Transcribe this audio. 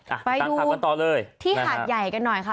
อ้าไปดูเอาที่หาดใหญ่กันหน่อยค่ะ